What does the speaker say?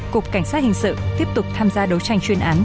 cục cảnh sát hình sự tiếp tục tham gia đấu tranh chuyên án